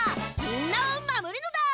みんなをまもるのだ！